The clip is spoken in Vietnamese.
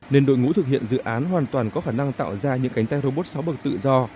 nên đội ngũ thực hiện dự án hoàn toàn có khả năng tạo ra những cánh tay robot sáu bậc tự do